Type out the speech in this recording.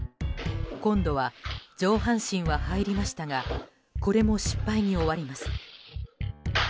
今度は上半身は入りましたがこれも失敗に終わります。